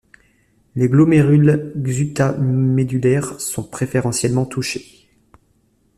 Les glomérules juxta-médullaires sont préférentiellement touchés.